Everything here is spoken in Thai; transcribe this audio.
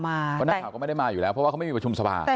เพราะนักข่าวก็ไม่ได้มาอยู่แล้วเพราะว่าเขาไม่มีประชุมสภา